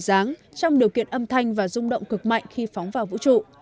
dáng trong điều kiện âm thanh và rung động cực mạnh khi phóng vào vũ trụ